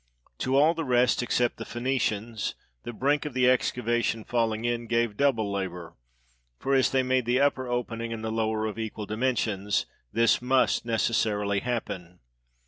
To all the rest, except the Phoenicians, the brink of the excavation falling in gave double labor, for as they made thr upper opening and the lower of equal dimensions, this must necessarily happen.